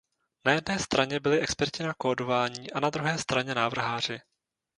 Na jedné straně byli experti na kódování a na druhé straně návrháři.